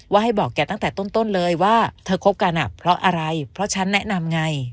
ให้บอกแกตั้งแต่ต้นเลยว่าเธอคบกันเพราะอะไรเพราะฉันแนะนำไง